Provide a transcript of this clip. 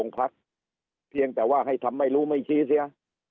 พักเพียงแต่ว่าให้ทำไม่รู้ไม่ชี้เสีย